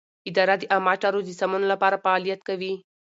اداره د عامه چارو د سمون لپاره فعالیت کوي.